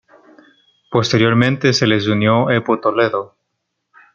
Posteriormente se les unió "Epo" Toledo.